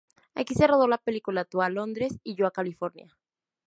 Aquí se rodó la película Tú a Londres y yo a California.